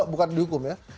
bukan dihukum ya